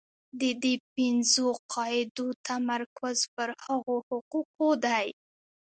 د دې پنځو قاعدو تمرکز پر هغو حقوقو دی.